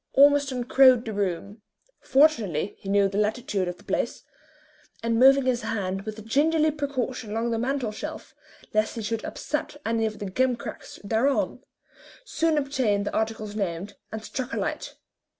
Ormiston crowed the room fortunately he knew the latitude of the place and moving his hand with gingerly precaution along the mantel shelf, lest he should upset any of the gimcracks thereon, soon obtained the articles named, and struck a light.